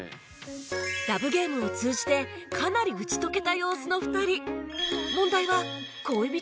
ＬＯＶＥＧＡＭＥ を通じてかなり打ち解けた様子の２人